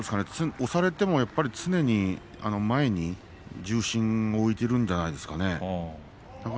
押されても常に前に重心を置いているんじゃないでしょうか。